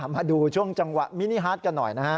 มาดูช่วงจังหวะมินิฮาร์ดกันหน่อยนะฮะ